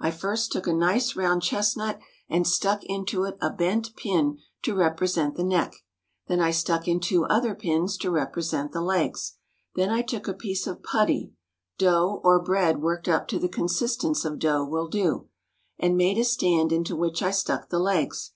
I first took a nice round chestnut, and stuck into it a bent pin to represent the neck; then I stuck in two other pins to represent the legs; then I took a piece of putty (dough, or bread worked up to the consistence of dough, will do), and made a stand into which I stuck the legs.